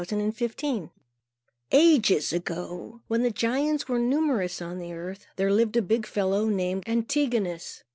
BRABO AND THE GIANT Ages ago, when the giants were numerous on the earth, there lived a big fellow named Antigonus.